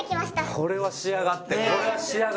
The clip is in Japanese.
これは仕上がってるね。